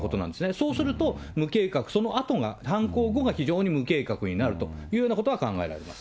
そうすると無計画、そのあとが、犯行後が非常に無計画になるというようなことが考えられます。